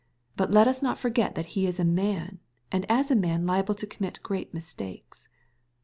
But let us not forget that he is a man, and as a man liable to commit great mistakes.